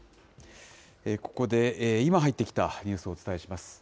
ここで、今入ってきたニュースをお伝えします。